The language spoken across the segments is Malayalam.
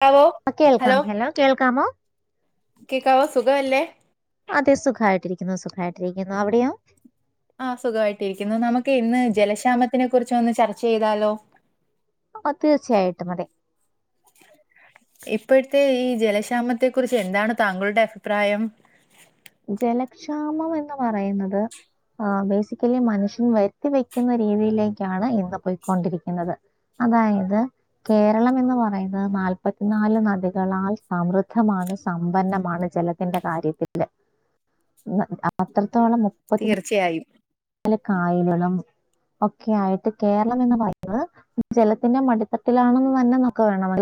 ക്കാവോ പ്പം കേൾക്കാം ഹലോ കേൾക്കാമോ കേക്കാവോ സുഖല്ലേ അതെ സുഖമായിട്ടിരിക്കുന്നു സുഖമായിട്ടിരിക്കുന്നു അവിടെയാോ ആ സുഖമായിട്ട് ഇരിക്കുന്നു നമുക്ക് ഇന്ന് ജലക്ഷാമത്തിനെ കുറച്ച് ഒന്ന് ചർച്ച ചെയ്താലോ ആ തീർച്ചയായിട്ടും അതെ ഇപ്പോഴത്തെ ഈ ജലക്ഷാമത്തെ കുറിച്ച് എന്താണ് താങ്കളുടെ അഭിപ്രായം ജലക്ഷാമം എന്ന് പറയുന്നത് ആ ബേസിക്കലി മനുഷ്യൻ വരുത്തി വെക്കുന്ന രീതിയിലേക്കാണ് ഇന്ന് പോയിക്കൊണ്ടിരിക്കുന്നത് അതായത് കേരളം എന്ന് പറയുന്നത് നാല്പത്തിനാല് നദികളാൽ സമൃദ്ധമാണ് സമ്പന്നമാണ് ജലത്തിന്റെ കാര്യത്തിൽ അത്രത്തോളം മുപ്പത്തി തീർച്ചയായും ആയിലണം ഒക്കെ ആയിട്ട് കേരളം എന്ന് പറയുന്നത് ജലത്തിന്റെ മടിത്തട്ടിലാണെന്ന് തന്നെനോക്ക് വേണം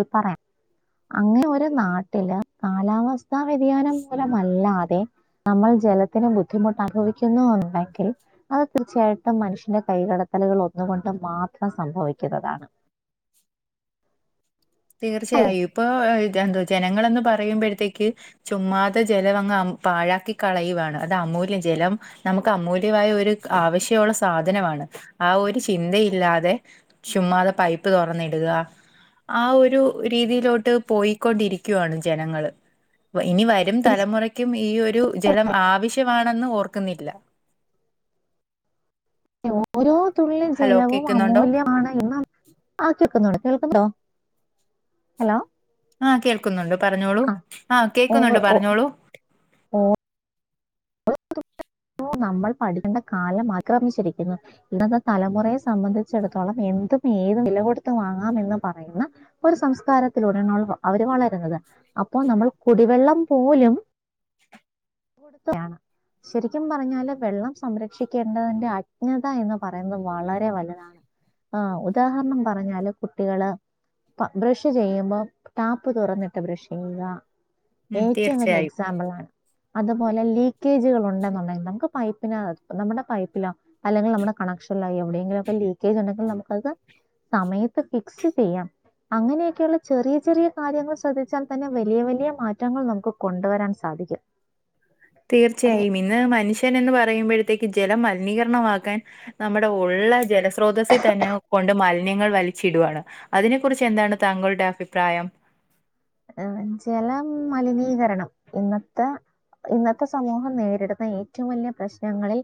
അങ്ങനെ ഒരു നാട്ടില് കാലാവസ്ഥ വ്യതിയാനം മൂലമല്ലാതെ നമ്മൾ ജലത്തിന് ബുദ്ധിമുട്ട് അനുഭവിക്കുന്നുണ്ടെങ്കിൽ അത് തീർച്ചയായിട്ടും മനുഷ്യന്റെ കൈയ് കടത്തലുകൾ ഒന്നുകൊണ്ട് മാത്രം സംഭവിക്കുന്നതാണ് അല്ലെ തീർച്ചയായും ഇപ്പൊ എന്തോ ജനങ്ങളന്ന് പറയുമ്പോഴത്തേക്ക് ചുമ്മാത്ത ജല അങ്ങ് പാഴാക്കി കളയുവയാണ് അത്.. അമൂല്യ ജലം നമുക്ക് അമൂല്യമായ ഒരു ആവശ്യമുള്ള സാധനമാണ് ആ ഒരു ചിന്തയില്ല... അതെ ചുമ്മാതെ പൈപ്പ് തുറന്നിടുക... ആ ഒരു രീതിയിലോട്ട് പോയിക്കൊണ്ടിരിക്കുവാണ് ജനങ്ങള്. ഇനി വരും തീർച്ചയായും തലമുറയ്ക്കും ഈ ഒരു ജലം ആവശ്യമാണെന്ന് ഓർക്കുന്നില്ല. ഓരോ തുള്ളിലും ഹലോ ജലവും കേൾക്കുന്നുണ്ടോ അമൂല്യമാണ് ഇും ആക്കി വെക് ഹലോ... ആഹ് കേൾക്കുന്നുണ്ട് പറഞ്ഞോളൂ ആ ആഹ കേൾക്കുന്നുണ്ട് പറഞ്ഞോളൂ... ആ.... നമ്മൾ പഠിക്കേണ്ട കാലം ആക്രമിച്ചിരിക്കുന്നു ഇന്നത്തെ തലമുറയെ സംബന്ധിച്ചിടത്തോളം എ.... ഇത ഏത് വില കൊടുത്ത് വാങ്ങാമന്ന് പറയുന്ന ഒരു സംസ്കാരത്തിലൂടെ അവര് വളരുന്നത്.... അപ്പൊ നമ്മൾ കുടിവെള്ളം പോലും... ശ.. ഒരിക്കും പറഞ്ഞാല് വെള്ളം സംരക്ഷിക്കേണ്ടതിന്റെ അജ്ഞത എന്ന് പറയുന്നത് വളരെ വലുതാണ്.. ആഹ ഉദാഹരണം പറഞ്ഞാല് കുട്ടികള് ബ്രഷ് ചെയ്യുമ്പോം ടാപ്പ് തുറന്നിട്ട് ബ്രഷ് ചെയ്യുക. ഉം ഏറ്റവും വലിയ തീർച്ചയായും എക്സാമ്പിൾ ആണ് അതുപോലെ ലീക്കേജുകൾ ഉണ്ടെന് നക്ക് പൈപ്പ നമ്മുടെ പൈപ്പിലോ അല്ലെങ്കിൽ നമ്മുടെ കണക്ഷനിലോ എവിടെയെങ്കിലും ഒക്കെ ലീക്കേജ് [unintelligible] [unintelligible] സമയത്ത് ഫിക്സ് ചെയ്യാം.. അങ്ങനെയൊക്കെയുള്ള ചെറിയ ചെറിയ കാര്യങ്ങൾ ശ്രദ്ധിച്ചാൽ തന്നെ വലിയ വലിയ മാറ്റങ്ങൾ നമുക്ക് കൊണ്ടുവരാൻ സാധിക്കും [unintelligible] അതിന് തീർച്ചയായും ഇന്ന് മനുഷ്യ.... ൻ എന്ന് പറയുമ്പോഴത്തേക്ക് ജലം മലിനീകരണമാക്കാൻ നമ്മുടെ ഉള്ള [unintelligible] സ്രോതസ്സിൽ തന്നെ കൊണ്ട് മലിന്യങ്ങൾ വലിച്ചിടുവാൻ... അതിനെ കുുറിച്ച് എന്താണ് താങ്കളുടെ അഭിപ്രായം... ജലം മലിനീകരണം ഇന്നത്തെ... ഇന്നത്തെ സമൂഹം നേരിടുന്ന ഏറ്റവും വലിയ പ്രശ്നങ്ങളിൽ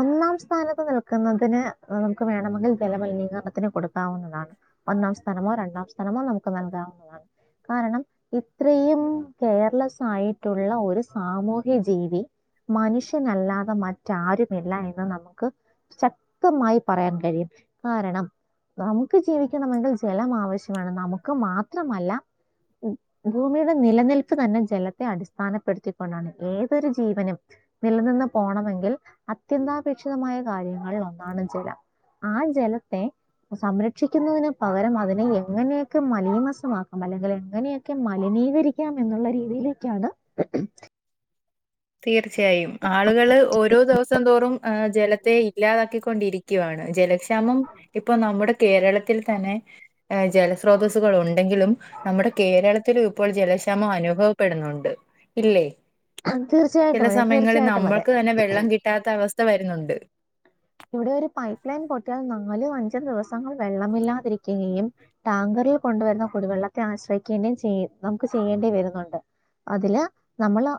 ഒന്നാം സ്ഥാനത്ത് [unintelligible] നമുക്ക് വേണമെങ്കിൽ ജലമലിനീകരണത്തിന് കൊടുക്കാവുന്നതാണ് ഒന്നാം സ്ഥാനമോ രണ്ടാം [unintelligible] [unintelligible] കാരണം ഇത്രയും കെയർ [unintelligible] മനുഷ്യനല്ലാതെ മറ്റാരുമില്ല എന്ന് നമുക്ക്.... ശക്തമായി പറയാൻ കഴിയും കാരണം... നമുക്ക് ജീവിക്കണമെങ്കിൽ ജലം ആവശ്യമാണ് നമുക്ക് മാത്രമല്ല... ഭൂമിയുടെ നിലനിൽപ്പ് തന്നെ ജലത്തെ അടിസ്ഥാനപ്പെടുത്തിക്കൊണ്ടാണ് ഏതൊരു ജീവനും... നിലനിന്ന് പോണമെങ്കിൽ അത്യന്താപേക്ഷിതമായ കാര്യങ്ങളിൽ ഒന്നാണ് ചില... ആ ജലത്തെ സംരക്ഷിക്കുന്നതിന് പകരം അതിനെ എങ്ങനെയൊക്കെ മലീമസ... അല്ലെങ്കിൽ എങ്ങനെയൊക്കെ മലിനീകരിക്കാം എന്നുള്ള രീതിയിലേക്കെയാണ്.... തീർച്ചയായും ആളുകള് ഓരോ ദിവസം തോറും ജലത്തെ ഇല്ലാതാക്കിക്കൊണ്ടിരി..... [unintelligible] [unintelligible] ഇപ്പൊ നമ്മുടെ കേരളത്തിൽ തന്നെ ജലസ്രോതസ്സുകൾ ഉണ്ടെങ്കിലും..... നമ്മുടെ കേരളത്തിലും ഇപ്പോൾ ജലക്ഷാമം അനുഭവപ്പെടുന്നുണ്ട് ഇല്ലേ.... ചില തീർച്ചയായിട്ടും അതെ സമയങ്ങളിൽ തീർച്ചയായിട്ടും അതെ നമ്മൾക്ക് തന്നെ വെള്ളം കിട്ടാത്ത അവസ്ഥവരുന്നുണ്ട്... ഇവിടെ ഒരു പൈപ്പ് ലൈൻ പൊട്ടിയാൽ നാലും അഞ്ചും ദിവസങ്ങൾ വെള്ളമില്ലാതിരിക്കുകയും ടാങ്കർ... ഈ കൊണ്ടുവരുന്ന കുടിവെള്ളത്തെ ആശ്രയിക്കേണ്ട ചെയ്യ നമുക്ക് ചെയ്യേണ്ടി വരുന്നുണ്ട്.. അതില് നമ്മള്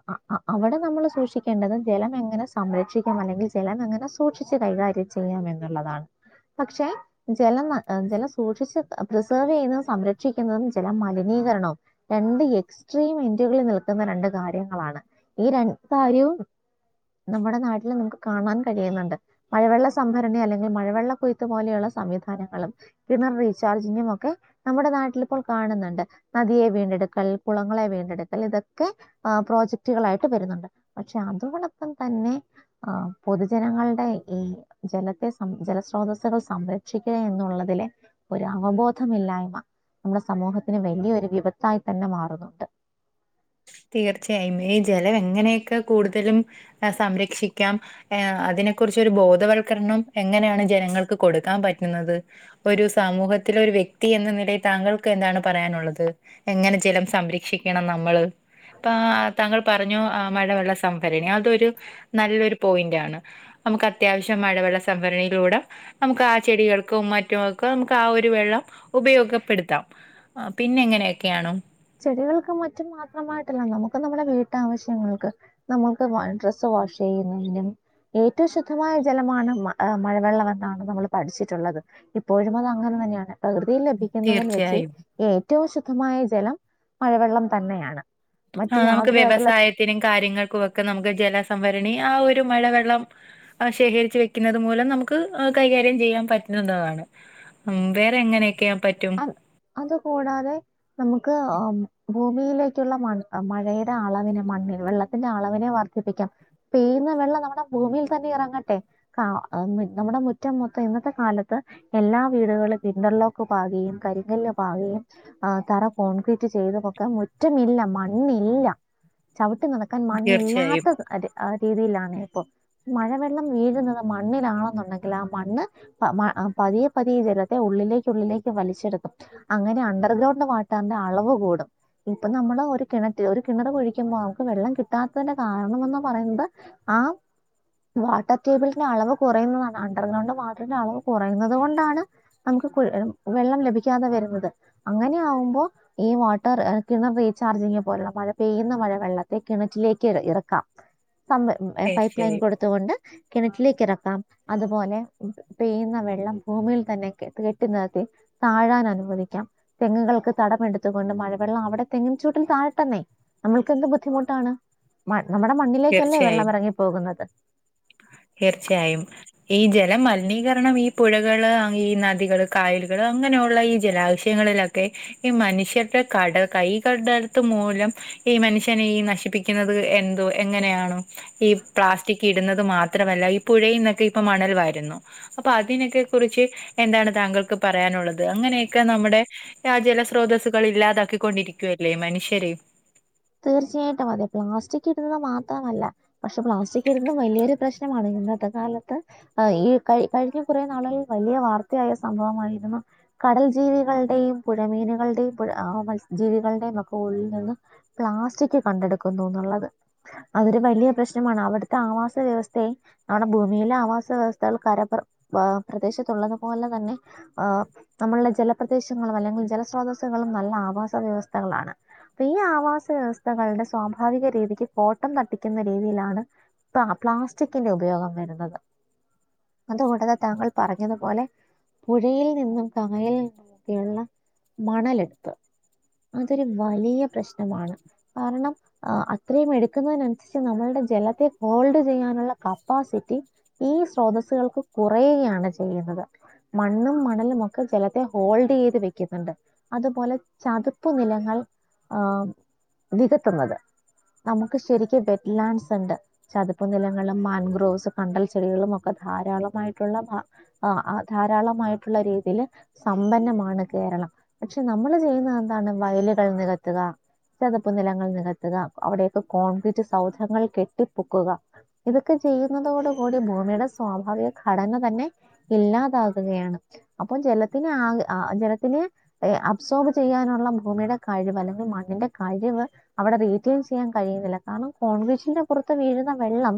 അവിടെ നമ്മൾ സൂക്ഷിക്കേണ്ടത് ജലം എങ്ങനെ സംരക്ഷിക്കാം അല്ലെങ്കിൽ ജല... അങ്ങനെ സൂക്ഷിച്ച് കൈകാര്യം ചെയ്യാം എന്നുള്ളതാണ്... പക്ഷെ ജലം ജലം സൂക്ഷിച്ച് പ്രിസർവ് ചെയ്യുന്നതും സംരക്ഷിക്കുന്നതും ജലം മലിനീ... രണ്ട്എക്സ്ട്രീം ഇന്റകിൽ നിൽക്കുന്ന രണ്ട് കാര്യങ്ങളാണ് ഈ രണ്ട് കാര്യവും. നമ്മുടെ നാട്ടില് നമുക്ക് കാണാൻ കഴിയുന്നുണ്ട്. മഴവെള്ള സംഭരണി അല്ലെങ്കിൽ മഴവെള്ള കുയ്ത്ത് പോലെയുള്ള സംവിധാനങ്ങളും കിണർ റീചാർജിങ്ങും ഒക്കെ.. നമ്മുടെ നാട്ടിലിപ്പോൾ കാണുന്നുണ്ട് നദിയെ വീണ്ടെടുക്കൽ കുളങ്ങളെ വീണ്ടെടുക്കൽ ഇതൊക്കെ.. പ്രോജക്ടുകളായിട്ട് വരുന്നുണ്ട് പക്ഷെ അതോടൊപ്പം തന്നെ പൊതുജനങ്ങളുടെ.. ഈ ജലത്തെ സം ജലസ്രോതസ്സുകൾ സംരക്ഷിക്കുക എന്നുള്ളതിലെ. ഒരു അവബോധമില്ലായ്മ നമ്മുടെ സമൂഹത്തിന് വലിയൊരു വിപത്തായി തന്നെ മാറുന്നുണ്ട്. തീർച്ചയായും ഈ ജലം എങ്ങനെയൊക്കെ കൂടുതലും സംരക്ഷിക്കാം അതിന.. അതിനെ കുറിച്ച ഒരു ബോധവൽക്കരണം എങ്ങനെയാണ് ജനങ്ങൾക്ക് കൊടുക്കാൻ പറ്റുന്നത് ഒരു സമൂഹത്തി.. ഒരു വ്യക്തി എന്ന നിലയിൽ താങ്കൾക്ക് എന്താണ് പറയാനുള്ളത് എങ്ങനെ ജലം സംരക്ഷിക്കണം നമ്മള്? ഇപ്പ താങ്കൾ പറഞ്ഞു ആഹ് മഴവെള്ള സംഭരണി അതൊരു നല്ലൊരു പോയിന്റ്ാണ് നമുക്ക് അത്യാവശ്യം മഴവെള്ള സംഭരണിയിലൂടെ.. നമുക്ക് ആ ചെടികൾക്കും മറ്റുംക്കും നമുക്ക് ആ ഒരു വെള്ളം ഉപയോഗപ്പെടുത്താം ആ പിന്നെ എങ്ങനെയൊക്കെയ ആണോ? ചെടികൾക്കും മറ്റും മാത്രമായിട്ടല്ല നമുക്ക് നമ്മുടെ വീട്ടാവശ്യങ്ങൾക്ക് നമ്മുക്ക് ഡ്രസ്സ് വാഷ് ചെയ്യുന്നതിനും.. ഏറ്റവും ശുദ്ധമായ ജലമാണ് മഴവെള്ളം എന്നാണ് നമ്മൾ പഠിച്ചിട്ടുള്ളത് ഇപ്പോഴും അത് അങ്ങനെ തന്നെയാണ്. പ്രകൃതിൽ ലഭിക്കുന്നതിൽ വെച്ച് തീർച്ചയായും. ഏറ്റവും ശുദ്ധമായ ജലം മഴവെള്ളം തന്നെയാണ്. ആ മറ്റ് നമുക്ക് യാതൊരു തരത്തിലുള്ള വ്യവസായത്തിനും കാര്യങ്ങൾക്കും ഒക്കെ നമുക്ക് ജല.. സംഭരണി ആ ഒരു മഴവെള്ളം ശേഖരിച്ച് വെക്കുന്നത് മൂലം നമുക്ക് കൈകാര്യം ചെയ്യാൻ പറ്റും. വേറെ എങ്ങനെയൊക്കെയ.. അ അത കൂടാതെ നമുക്ക്.. ഭൂമിയിലേക്കുള്ള മണ് മഴയുടെ അളവിനെ മണ്ണിൽ വെള്ളത്തിന്റെ അളവിനെ വർദ്ധിപ്പിക്കാം. പെയ്യുന്ന വെള്ളം നമ്മുടെ ഭൂമിയിൽ തന്നെ ഇറങ്ങട്ടെ കാ നമ്മുടെ മുറ്റം മൊത്തം ഇന്നത്തെ കാലത്ത്. എല്ലാ വീടുകളും കിന്റർ ലോക്കും.. പാകയും കരിങ്കല്ല് പാകയും തറ കോൺക്രീറ്റ് ചെയ്ത പൊക്കെ മുറ്റമില്ല മണ്ണില്ല. ചവിട്ടി നടക്കാ. ൻ മണ്ണ തീർച്ചയായും ഇില്ലാത്ത രീതിയിലാണ് മഴവെള്ളം വീഴുന്നത് മണ്ണിലാണെന്നുണ്ടെങ്കിൽ ആ മണ്ണ് പതിയ പതിയ.. ഈ ജലത്തെ ഉള്ളിലേക്കുള്ളിലേക്കുവലിച്ചെടുക്കും അങ്ങനെ അണ്ടർ ലോട് മാറ്റാവുന്ന അളവ് കൂടും. ഇപ്പൊ നമ്മള് ഒരു കിണറ്റിൽ ഒരു കിണറ് ഒഴിക്കുമ്പോ നമുക്ക് വെള്ളം കിട്ടാത്തതിന്റെ കാരണംന്ന് പറയുന്നത്. ആഹ വാട്ടർ ടേബിളിന്റെ അളവ് കുറയുന്നതാണ് അണ്ടർഗ്രൗണ്ട് വാട്ടറിന്റെ അളവ് കുറയുന്നുന്നത് കൊണ്ടാണ് നമുക്ക്. കുൽ എ.. വെള്ളം ലഭിക്കാതെ വരുന്നത് അങ്ങനെയ ആകുമ്പോൾ ഈ വാട്ടർ കിണർ റീചാർജിങ്ങ് പോലുള്ള.. മഴ പെയ്യുന്ന മഴ വെള്ളത്തെക്ക് കിണറ്റിലേക്ക് ഇറക്കാം. പൈപ്പ് ലൈൻ തീർച്ചയായും കൊടുത്തുകൊണ്ട്. കിണറ്റിലേക്ക് ഇറക്കാം അതുപോലെ പെയ്യുന്ന വെള്ളം ഭൂമിയിൽ തന്നെ കെട്ടുന്നത്തി. താഴാൻ അനുവവദിക്കാം തെങ്ങുകൾക്ക് തടമെടുത്ത കൊണ്ട് മഴവെള്ളം അവിടെ തെങ്ങും ചൂട്ടിൽ താഴ്ട്ടന്നേ.. നമ്മൾക്ക എന്ത് ബുദ്ധിമുട്ടാണ്.. നമ്മുടെ മണ്ണിലേക്കല്ലേ വെള്ളം തീർച്ചയായും ഇറങ്ങി പോകുന്നത് തീർച്ചയായും ഈ ജന.. ല മലിനീകരണം ഈ പുഴകള് ഈ നദികള് കായലുകള് അങ്ങനെയുള്ള ഈ ജലാശയങ്ങളിലൊക്കെ. ഈ മനുഷ്യത്തെകട കൈകടലത്ത് മൂലം ഈ മനുഷ്യനെ ഈ നശിപ്പിക്കുന്നത് എന്തോ.. എങ്ങനെയണോ ഈ പ്ലാസ്റ്റിക് ഇടുന്നത് മാത്രമല്ല ഈ പുഴയിൽ നിന്നൊക്കെ ഇപ്പൊ മണൽ വരുന്നു. അപ്പൊ അതിനൊക്കെ കുറിച്ച് എന്താണ് താങ്കൾക്ക് പറയാനുള്ളത് അങ്ങനെയക്കെ നമ്മുടെ ആ ജലസ്രോത.. ഇല്ലാതാക്കിക്കൊണ്ടിരിക്കുവല്ലേ മനുഷ്യര് തീർച്ചയായിട്ടും അതെ പ്ലാസ്റ്റിക് ഇടുന്നത് മാത്രമല്ല പക്ഷെ പ്ലാസ്റ്റിക് ഇടുന്നും വലിയൊരു പ്രശ്നമാണ്. ന്ന തെകാലത്ത്് ഈ കഴിഞ്ഞു കുറെ നാളുകിൽ വലിയ വാർത്തയായ സംഭവമായിരുന്നു. കടൽ ജീവികളുടെയും പുഴമീനുകളുടെയും മത്സ്യ ജീവികളുടെയും ഒക്കെ ഉള്ളിൽ നിന്ന്.. പ്ലാസ്റ്റിക് കണ്ടെടുക്കുന്നുോന്നുള്ളത് അതൊരു വലിയ പ്രശ്നമാണ് അവിടുത്തെ ആവാസ വ്യവസ്ഥയെ.. നമ്മുടെ ഭൂമിയിലെ ആവാസ വ്യവസ്ഥകൾ കര് പ്രദേശത്തുള്ളതു പോോലെ തന്നെ ആ്.. നമ്മളുടെ ജലപ്രദേശങ്ങളും അല്ലെങ്കിൽ ജലസ്രോതസ്സുകളും നല്ല ആവാസ വ്യവസ്ഥകളാണ് അപ്പൊ ഈ ആവാസ വാസ വ്യവസ്ഥകളുടെ സ്വാഭാവിക രീതിക്ക് കോട്ടം തട്ടിക്കുന്ന രീതിയിലാണ് പ്ലാസ്റ്റിക്കിന്റെ ഉപയോഗം വരുന്നത് അതുകൂടാതെ താങ്കൾ പറഞ്ഞതുപോലെ പുഴയിൽ നിന്നും കായലിൽ നിന്നും മണലെടുത്ത് അതൊരു വലിയ പ്രശ്നമാണ് കാരണം അത്രയും എടുക്കുന്നതിനനുസരിച്ച് നമ്മളുടെ ജലത്തെ ഹോൾഡ് ചെയ്യാനുള്ള കപ്പാസി സിറ്റി ഈ സ്രോതസ്സുകൾക്ക് കുറയുകയാണ് ചെയ്യുന്നത് മണ്ണും മണലുമൊക്കെ ജലത്തെ ഹോൾഡ് ചെയ്ത് വെക്കുന്നുണ്ട് അതുപോലെ ചതുപ്പ് നിലങ്ങൾ ആ നികത്തുന്നത് നമുക്ക് ശരിക്ക്‌ വെറ്റ് ലാൻഡസ് ഉണ്ട് ചതുപ്പ് നിലങ്ങളും മാൻഗ്രോവ്സ് കണ്ടൽ ചെടികളും ഒക്കെ ധാരാളമായിട്ടുള്ള ആ ധാരാളമായിട്ടുള്ള രീതിയില് സമ്പന്നമാണ് കേരള ളം പക്ഷെ നമ്മള് ചെയ്യുന്നത് എന്താണ് വയലുകൾ നികത്തുക ചതുപ്പ് നിലങ്ങൾ നികത്തുക അവിടെയൊക്കെ കോൺക്രീറ്റ് സൗധങ്ങൾ കെട്ടിപ്പൊക്കുക ഇതൊക്കെ ചെയ്യുന്നതോടുകൂടി ഭൂമിയുടെ സ്വാഭാവിക ഘടന തന്നെ ഇല്ലാതാകുകയാണ് അപ്പൊ ജലത്തിന് ആ ജലത്തിന് അബ്സോർബ് ചെയ്യാനുള്ള ഭൂമിയുടെ കഴിവ് അല്ലെങ്കിൽ മണ്ണിന്റെ കഴിവ് അവിടെ റീറ്റയിൻ ചെയ്യാൻ കഴിയുന്നില്ല കാരണം കോൺക്രീസിന്റെ പുറത്ത് വീഴുന്ന വെള്ളം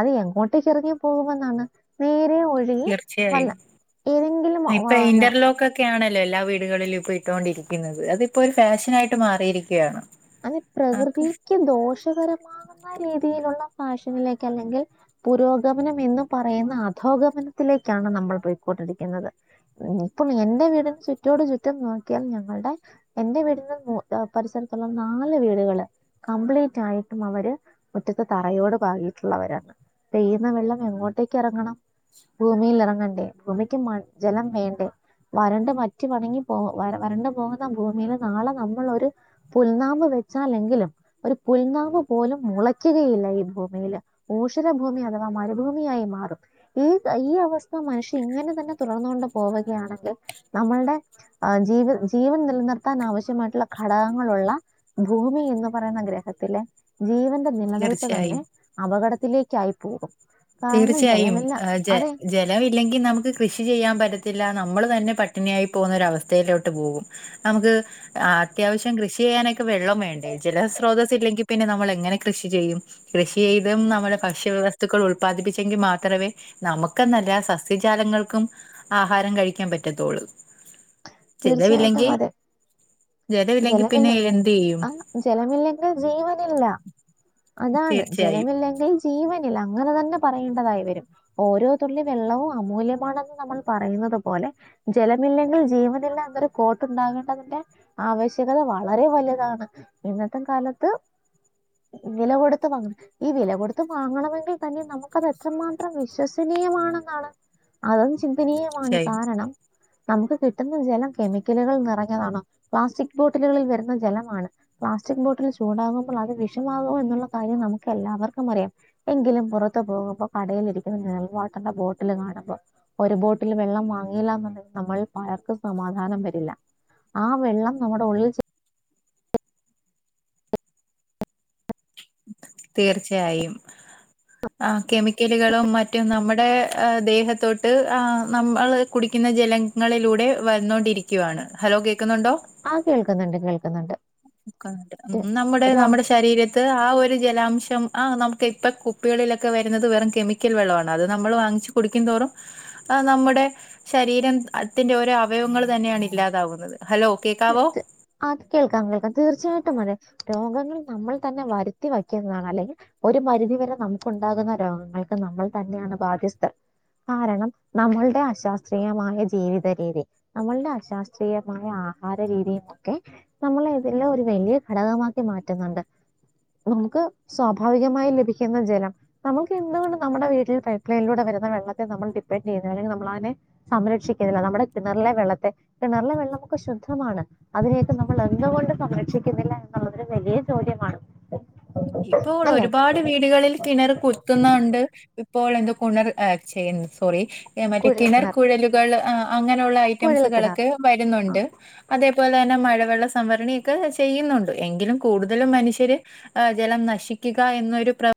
അത് എങ്ങോട്ടേ ചെറകി പോകുമെന്നാണ് നേരെ ഒഴുകി വല്ല തീർച്ചയായും ഏതെങ്കിലും ഇപ്പൊ പിന്നെ ഇന്റർലോക്ക് ഒക്കെ ആണ് ല്ല എല്ലാ വീടുകളിലും ഇപ്പ ഇട്ടോണ്ടിരിക്കുന്നത് അത്പ്പോ ഒരു ഫാഷനായിട്ട് മാറിയിരിക്കുകയാണ് അതെ ആക്കും പ്രകൃതിക്ക് ദോഷകരമാക രീതിയിലുള്ള ഫാഷനിലേക്ക് അല്ലെങ്കിൽ പുരോഗമനം എന്ന് പറയുന്ന അധോഗമനത്തിലേക്ക് ക്കാണ് നമ്മൾ പോയിക്കൊണ്ടിരിക്കുന്നത് ഇപ്പൊ എൻന്റെ വീടിന് ചുറ്റോട് ചുറ്റും നോക്കിയാൽ ഞങ്ങളുടെ എൻറെ വീടിന്ന് പരിസര നാല് വീടുകള് കംപ്ലീറ്റ് ആയിട്ടും അവര് മുറ്റത്തെ തറയോട് പാകിട്ടുള്ളവരാണ് പെയ്യുന്ന വെള്ളം എങ്ങോട്ടേക്ക് ഇറങ്ങണം ഭൂമിയിൽ ഇറങ്ങണ്ടേ ഭൂമിക്ക് ജലം വേണ്ടേ വരണ്ട് മറ്റി വണങ്ങി പോ വ വരണ്ട് പോകുന്ന ഭൂമിൽ നാളെ നമ്മളൊരു പുൽനാമ്പ് വെച്ചാലെങ്കിലും ഒരു പുൽനാമ്പ് പോലും മുളയ്ക്കുകയില്ല ഈ ഭൂമിയിൽ ഭൂമി അഥവാ മരുഭൂമിയായി മാറും ഈ ഈ അവസ്ഥ മനുഷ്യ ഇങ്ങനെ തന്നെ തുടർന്നോണ്ട് പോ വുകയാണെങ്കിൽ നമ്മളുടെ ജീവ ജീവൻ നിലനിർത്താൻ ആവശ്യമായിട്ടുള്ള ഘട ളുള്ള ഭൂമി എന്ന് പറയുന്ന ഗ്രഹത്തിലെ ജീവൻ ന്റെ നിലനിൽപ്പ് തന്നെ തീർച്ചയായും അപകടത്തിലേക്കായി പോകും കാരണം തീർച്ചയായും ജലമില്ല ജ അത് ജലം ഇല്ലെങ്കിൽ നമുക്ക് കൃഷി ചെയ്യാൻ പറ്റത്തില്ല നമ്മള് തന്നെ പട്ടിണിയായി പോകുന്നൊരവസ്ഥയിലോട്ട് പോകും നമുക്ക് അത്യാവശ്യം കൃഷി ചെയ്യാനൊ വെള്ളം വേണ്ടേ ജല സ്രോതസ് ഇല്ലെങ്കിൽ പിന്നെ നമ്മൾ എങ്ങനെ കൃഷി ചെയ്യും കൃഷി ചെയ്തും നമ്മുടെ ഭക്ഷ്യ വ്യവസ്തുക്കൾ ഉൾപ്പെ ഉല്പാദിപ്പിച്ചെങ്കിൽ മാത്രമേ നമുക്കെന്നല്ല സസ്യജാലങ്ങൾക്കും ആഹാരം കഴിക്കാൻ പറ്റത്തുള്ളൂ തീർച്ചയായിട്ടും ജലമില്ലെങ്കിൽ അതെ ജലമില്ലെങ്കിൽ ജലമില്ല പിന്നെ എന്ത് ചെയ്യും ആഹ് ജലമില്ലെങ്കിൽ ജീവനില്ല അതാണ് തീർച്ചയായും ജലമില്ലെങ്കിൽ ജീവനില്ല അങ്ങനെ തന്നെ പറയേണ്ടതായി വരും ഓരോ തുള്ളി വെള്ളവും അമൂല്യമാണെന്ന് നമ്മൾ പറയുന്നത് പോലെ ജലമില്ലെങ്കിൽ ജീവൻ അന്നരു കോട്ടുണ്ടാകേണ്ടതിന്റെ ആവശ്യകത വളരെ വലുതാണ് ഇന്നത്തെ കാലത്ത് വില കൊടുത്ത് വാങ്ങണം ഈ വില കൊടുത്ത് വാങ്ങണമെങ്കിൽ തന്നെ നമുക്കതെത്രമാത്രം വിശ്വസ നീയമാണെന്നാണ് അതും ചിന്തനീയമാണ് തീർച്ചയായും കാരണം നമുക്ക് കി ട്ടുന്ന ജലം കെമിക്കലുകൾ നിറഞ്ഞതാണോ പ്ലാസ്റ്റിക് ബോട്ടിലുകളിൽ വരുന്ന ജലമാണ് പ്ലാസ്റ്റിക് ബോട്ടിൽ ചൂടാകുമ്പോൾ അത് വിഷമാകും എന്നുള്ള കാര്യം നമുക്ക് എല്ലാവർക്കും അറിയാം എങ്കിലും പുറത്ത് പോകുമ്പോ കട കയിൽ ഇരിക്കുന്ന മിനറൽ വാട്ടറിൻ്റെ ബോട്ടിൽ കാണുമ്പോ ഒരു ബോട്ടിൽ വെള്ളം വാങ്ങിയില്ലന്നുണ്ടെങ്കിൽ നമ്മൾ മഴയ്ക്ക് സമാധാനം വരില്ല. ആ വെള്ളം നമ്മുടെ ഉള്ളിൽ ചെ തീർച്ചയായും. ആ കെമിക്കലുകളും മറ്റും നമ്മുടെ ദേഹത്തോട്ട് ആ നമ്മൾ കുടിക്കു എന്ന ജലങ്ങളിലൂടെ വന്നോണ്ടിരിക്കുവയാണ്. ഹലോ കേൾക്കുന്നുണ്ടോ? ആ കേൾക്കുന്നുണ്ട് കേൾക്കുന്നുണ്ട്. ക്കണ്ട് ഉം ര- നമ്മുടെ രോ- നമ്മുടെ ശരീരത്തി ത് ആ ഒരു ജലാംശം ആ നമുക്ക് ഇപ്പ കുപ്പികളിലൊക്കെ വരുന്നത് വെറും കെമിക്കൽ വെള്ളം ആണ് അത് നമ്മൾ വാങ്ങി വാങ്ങിച്ച് കുടിക്കും തോറും ആ നമ്മുടെ ശരീരം അതിൻ്റെ തിന്റെ ഓരോ അവയവങ്ങൾ തന്നെയാണ് ഇല്ലാതാവുന്നത്. ഹലോ കേക്കാവോ അത് കേൾക്കാം കേൾക്കാം തീർച്ചയായിട്ടും അതെ രോഗങ്ങൾ നമ്മൾ തന്നെ വരുത്തി വയ്ക്കുന്നതാണ് അല്ലെങ്കിൽ ഒരു പരിധി വരെ നമുക്കുണ്ടാ ഉണ്ടാകുന്ന രോഗങ്ങൾക്ക് നമ്മൾ തന്നെയാണ് ബാധ്യസ്ഥ. കാരണം നമ്മൾടെ അശാസ്ത്രീയമായ ജീവിത രീതി. നമ്മൾടെ അശാസ്ത്രീയമായ ആഹാര രീതിയും ഒക്കെ നമ്മളെ ഇതില് ഒരു വലിയ ഘടകമാക്കി മാറ്റുന്നുണ്ട്. നമുക്ക് സ്വാഭാവികമായി ലഭിക്കുന്ന ജലം നമുക്ക് എന്തുകൊണ്ടും നമ്മുടെ വീട്ടിൽ പൈപ്പ് ലൈനിലൂടെ വരു വെള്ളത്തെ നമ്മൾ ഡിപ്പൻ്റ ചെയ്യുന്നു. അല്ലെങ്കിൽ നമ്മളതിനെ സംരക്ഷിക്കുന്നില്ല. നമ്മുടെ കിണറിലെ വെള്ളത്തെ കിണറിലെ വെള്ള നമക്കു ശുദ്ധ മാണ് അതിനെയൊക്കെ നമ്മൾ എന്തുകൊണ്ട് സംരക്ഷിക്കുന്നില്ല എന്നുള്ളതിൽ വലിയ ചോദ്യമാണ്? ഇപ്പോൾ അല്ലെ ഒരുപാട് വീടുകളിൽ കിണർ കുത്തുന്നുണ്ട് ഇപ്പോൾ എന്തൊ കുണർ ച്ചെയ് സോറി മറ്റേ കിണർ കുഴൽക്കിണർ കുഴലുകൾ ആ അങ്ങനെയുള്ള കുഴൽക്കിണർ ഐറ്റംസുകളൊക്കെ വരുന്നുണ്ട് അതേ അതുപോലെ തന്നെ മഴവെള്ള സംഭരണി ഒക്കെ ചെയ്യുന്നുണ്ട് എങ്കിലും കൂടുതലും മനുഷ്യര് ആ ജലം നശിക്കുക എന്നൊരു പ്രവൃ